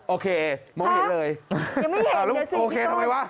โอเคมองไม่เห็นเลยโอเคทำไมวะ